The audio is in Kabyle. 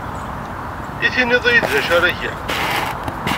I tinid-iyi-d d acu ara geɣ?